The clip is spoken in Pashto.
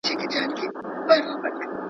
کتابتوني کار د مور له خوا کيږي!